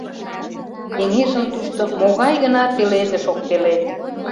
Кеҥежым тушто могай гына пеледыш ок пелед!